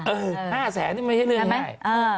เออ๕แสนเนี่ยไม่ให้เนื่องได้